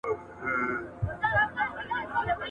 د همسايه پرتوگ چي غلا کې، چيري به ئې واغوندې؟